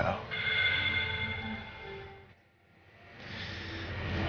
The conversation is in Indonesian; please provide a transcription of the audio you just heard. akhirnya lo cium andien tuh